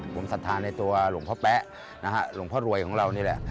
ผมสัทธาในตัวหลวงพ่อแป๊ะนะฮะหลวงพ่อรวยของเรานี่แหละ